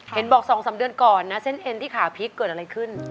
เห็นบอก๒๓เดือนก่อนนะเส้นเอ็นที่ขาพลิกเกิดอะไรขึ้น